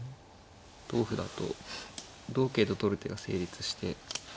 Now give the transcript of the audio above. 同歩だと同桂と取る手が成立して。